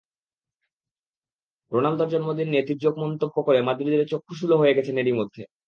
রোনালদোর জন্মদিন নিয়ে তির্যক মন্তব্য করে মাদ্রিদের চক্ষুশূলও হয়ে গেছেন এরই মধ্যে।